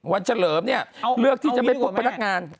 เฉลิมเนี่ยเลือกที่จะไม่พบพนักงาน